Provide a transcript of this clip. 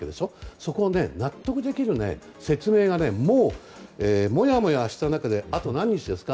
そこを納得できる説明が、モヤモヤした中であと何日ですか。